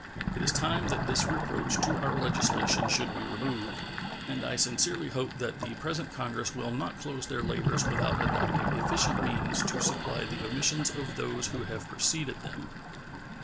It is time that this reproach to our legislation should be removed, and I sincerely hope that the present Congress will not close their labors without adopting efficient means to supply the omissions of those who have preceded them.